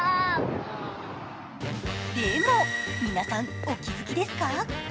でも皆さん、お気づきですか？